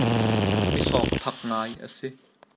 Mi sawkphak ngai a si.